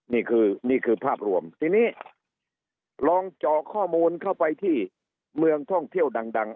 นี่คือนี่คือภาพรวมทีนี้ลองเจาะข้อมูลเข้าไปที่เมืองท่องเที่ยวดัง